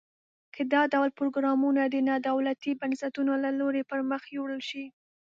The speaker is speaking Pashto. که دا ډول پروګرامونه د نا دولتي بنسټونو له لوري پرمخ یوړل شي.